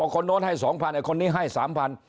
คนโน้นให้สองพันคนนี้ให้สามพัน